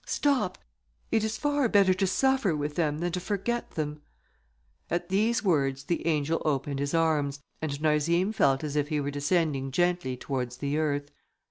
"Stop! it is far better to suffer with them than to forget them." At these words, the angel opened his arms, and Narzim felt as if he were descending gently towards the earth.